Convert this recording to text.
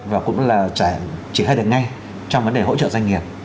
và cũng là triển khai được ngay trong vấn đề hỗ trợ doanh nghiệp